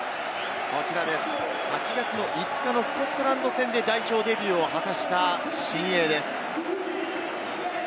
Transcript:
８月５日のスコットランド戦で代表デビューを果たした新鋭です。